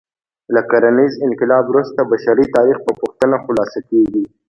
له کرنیز انقلاب وروسته بشري تاریخ په پوښتنه خلاصه کېږي.